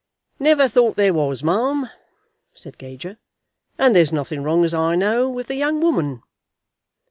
"Never thought there was, ma'am," said Gager. "And there's nothing wrong as I know of with the young woman."